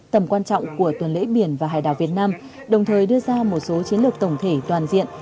tầm quan trọng của tuần lễ biển và hải đảo việt nam đồng thời đưa ra một số chiến lược tổng thể toàn diện